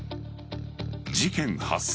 事件発生